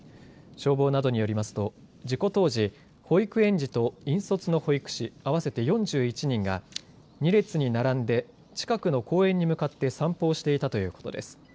消防などによりますと、事故当時保育園児と引率の保育士、計４１人が２列に並んで近くの公園に向かって散歩をしていたということです。